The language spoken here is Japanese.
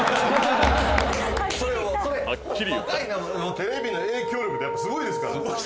テレビの影響力ってやっぱすごいですから。